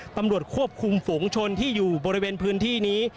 ตำรวจควบคุมฝุงชนที่อยู่บริเวณพื้นที่นี้